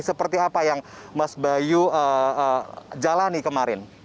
seperti apa yang mas bayu jalani kemarin